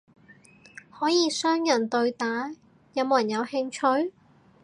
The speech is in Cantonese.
可以雙人對打，有冇人有興趣？